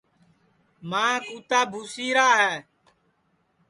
ماں کُوتا بھُوسِیرا ہے